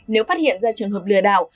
nếu phát hiện ra trường hợp lừa đảo